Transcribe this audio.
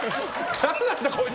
誰なんだ、こいつ。